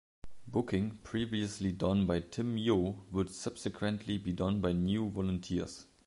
Booking, previously done by Tim Yo, would subsequently be done by new volunteers.